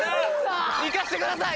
いかせてください！